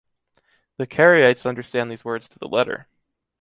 The Karaites understand these words to the letter.